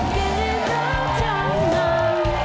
เกมรับทางน้ำ